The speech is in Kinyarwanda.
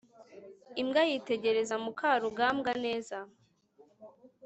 imbwa yitegereza mukarugambwa neza